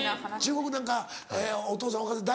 中国なんかお父さんお母さん